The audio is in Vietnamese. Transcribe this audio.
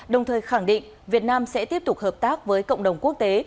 đồng thời khẳng định việt nam sẽ tiếp tục hợp tác với cộng đồng quốc tế